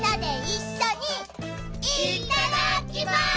いっただっきます！